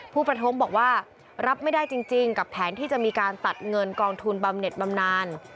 ผู้ประท้วงบอกว่ารับไม่ได้จริงกับแผนที่จะมีการตัดเงินกองทุนบำเน็ตบำนาน